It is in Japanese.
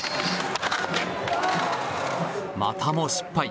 またも失敗。